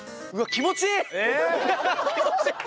気持ちいい！